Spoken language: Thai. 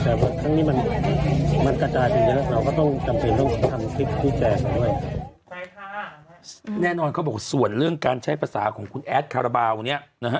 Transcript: ใช่ค่ะแน่นอนเขาบอกว่าส่วนเรื่องการใช้ภาษาของคุณแอดคาราบาวเนี้ยนะฮะ